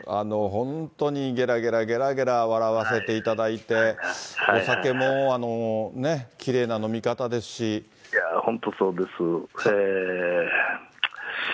本当にげらげらげらげら笑わせていただいて、お酒もね、いやー、本当そうです。